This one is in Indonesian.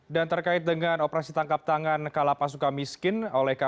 dan terkait dengan operasi tangkap tangan kalapas suka miskin oleh kpk